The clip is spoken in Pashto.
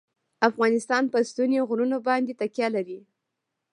افغانستان په ستوني غرونه باندې تکیه لري.